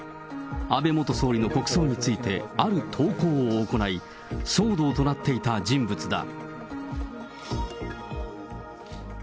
安倍元総理の国葬についてある投稿を行い、騒動となっていた人物だ。